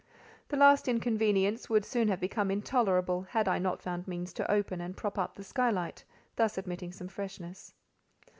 The last inconvenience would soon have become intolerable, had I not found means to open and prop up the skylight, thus admitting some freshness.